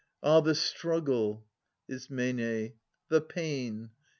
Ah, the struggle !— I. The pain